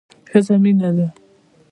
ښځه مينه ده